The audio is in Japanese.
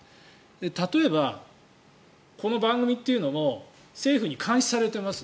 例えば、この番組というのも政府に監視されています。